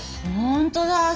ほんとだ！